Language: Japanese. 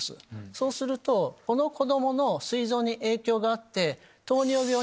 そうするとこの子供のすい臓に影響があって。